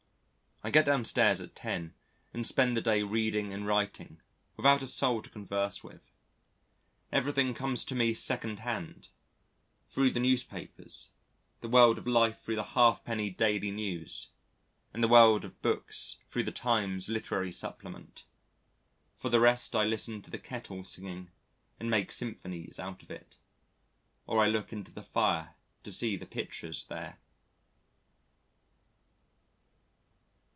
I get downstairs at 10 and spend the day reading and writing, without a soul to converse with. Everything comes to me second hand thro' the newspapers, the world of life thro' the halfpenny Daily News, and the world of books thro' the Times Literary Supplement. For the rest I listen to the kettle singing and make symphonies out of it, or I look into the fire to see the pictures there....